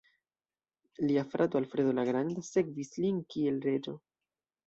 Lia frato Alfredo la Granda sekvis lin kiel reĝo.